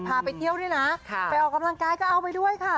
พาไปเที่ยวด้วยนะไปออกกำลังกายก็เอาไปด้วยค่ะ